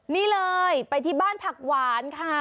นี่เลยไปที่บ้านผักหวานค่ะ